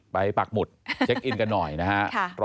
ไปปากหมุดเซ็คอินกันหน่อยนะครับ